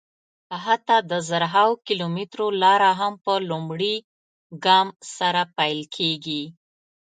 حتی د زرهاوو کیلومترو لاره هم په لومړي ګام سره پیل کېږي.